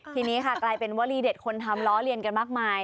ทีนี้ค่ะกลายเป็นวลีเด็ดคนทำล้อเลียนกันมากมาย